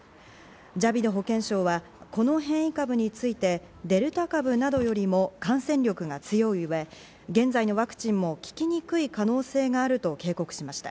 ジャビド保健相はこの変異株についてデルタ株などよりも感染力が強い上、現在のワクチンも効きにくい可能性があると警告しました。